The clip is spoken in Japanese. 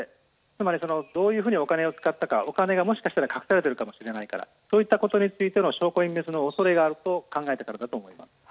つまりどういうふうにお金を使ったか、お金が隠されているかもしれないから証拠隠滅の恐れがあると考えたからだと思います。